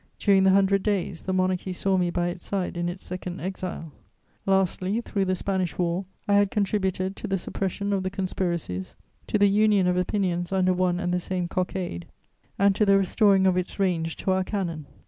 During the Hundred Days, the Monarchy saw me by its side in its second exile. Lastly, through the Spanish War, I had contributed to the suppression of the conspiracies, to the union of opinions under one and the same cockade, and to the restoring of its range to our cannon.